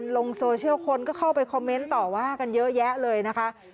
ลงโซเชียลคนก็เข้าไปคอมเมนต์ต่อว่ากันเยอะแยะเลยนะคะ